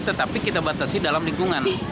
tetapi kita batasi dalam lingkungan